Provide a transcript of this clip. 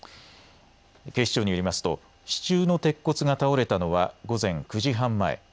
警視庁によりますと支柱の鉄骨が倒れたのは午前９時半前。